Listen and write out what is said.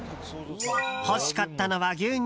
欲しかったのは牛乳。